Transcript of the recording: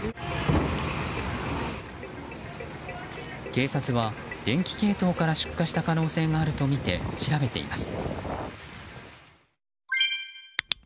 警察は、電気系統から出火した可能性があるとみて調べています。